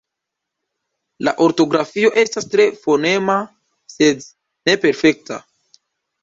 La ortografio estas tre fonema, sed ne perfekta.